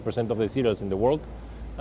karena kekurangan dan kekurangan